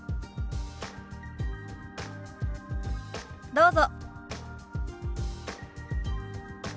どうぞ。